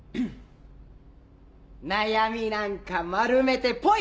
悩みなんか丸めてポイ！